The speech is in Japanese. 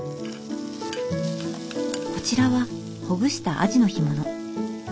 こちらはほぐしたアジの干物。